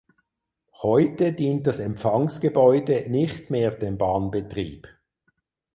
Heute dient das Empfangsgebäude nicht mehr dem Bahnbetrieb.